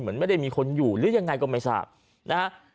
เหมือนไม่ได้มีคนอยู่หรือยังไงก็ไม่ทราบนะฮะ